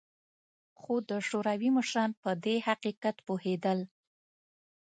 خو د شوروي مشران په دې حقیقت پوهېدل